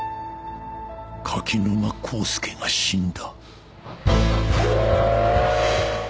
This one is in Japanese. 柿沼浩輔が死んだ